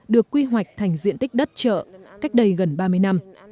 được quy hoạch thành diện tích đất chợ cách đây gần ba mươi năm